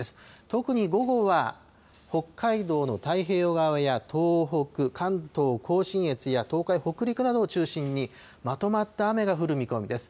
特に午後は北海道の太平洋側や東北、関東甲信越や東海、北陸などを中心にまとまった雨が降る見込みです。